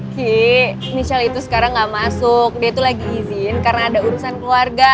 ki michelle itu sekarang gak masuk dia tuh lagi izin karena ada urusan keluarga